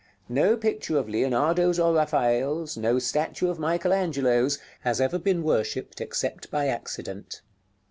No picture of Leonardo's or Raphael's, no statue of Michael Angelo's, has ever been worshipped, except by accident.